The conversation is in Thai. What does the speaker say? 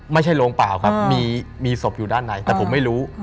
ไม่ใช่โรงเปล่าครับมีศพอยู่ด้านในแต่ผมไม่รู้